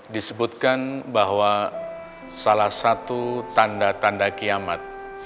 disebutkan bahwa salah satu tanda tanda kiamat